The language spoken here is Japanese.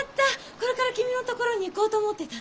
これから君のところに行こうと思ってたの。